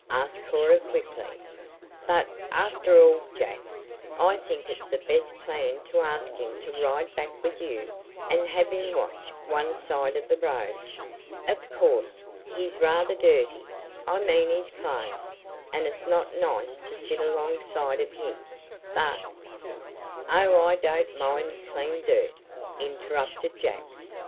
asked Cora quickly. "But, after all, Jack, I think it's the best plan to ask him to ride back with you, and have him watch one side of the road. Of course, he's rather dirty I mean his clothes and it's not nice to sit alongside of him, but " "Oh, I don't mind clean dirt," interrupted Jack.